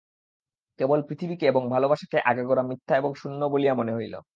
কেবল পৃথিবীকে এবং ভালোবাসাকে আগাগোড়া মিথ্যা এবং শূন্য বলিয়া মনে হইল।